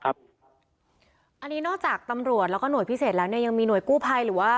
อันนี้นอกจากตำรวจแล้วก็หน่วยพิเศษแล้วเนี่ยยังมีหน่วยกู้ภัยหรือว่า